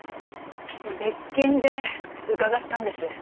別件で伺ったんです。